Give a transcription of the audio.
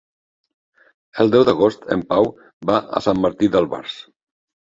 El deu d'agost en Pau va a Sant Martí d'Albars.